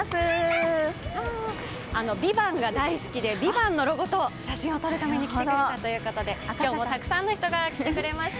「ＶＩＶＡＮＴ」が大好きで「ＶＩＶＡＮＴ」のロゴと写真を撮るために来てくれたということで今日もたくさんの方が来てくれました。